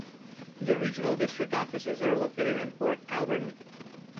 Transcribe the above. The regional district offices are located in Port Alberni.